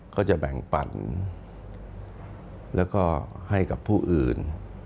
ก็จะแบ่งปั่นแล้วก็ให้กับผู้อื่น